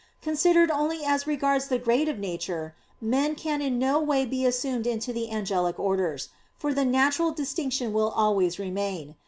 Considered only as regards the grade of nature, men can in no way be assumed into the angelic orders; for the natural distinction will always remain.